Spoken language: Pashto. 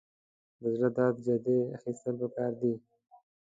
د زړه درد جدي اخیستل پکار دي.